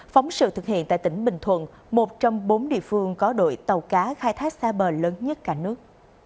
phóng sự thực hiện tại tỉnh bình thuận một trong bốn địa phương có đội tàu cá khai thác xa bờ lớn nhất cả nước